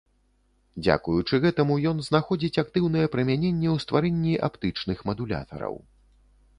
Дзякуючы гэтаму ён знаходзіць актыўнае прымяненне ў стварэнні аптычных мадулятараў.